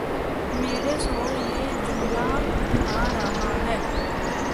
میرے شوہر یہ جملہ بنا رہا ہے